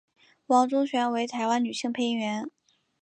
王中璇为台湾女性配音员。